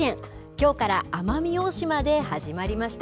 きょうから奄美大島で始まりました。